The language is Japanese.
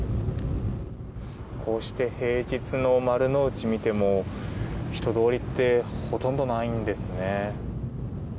こうして平日の丸の内を見ても人通りってほとんどないんですね。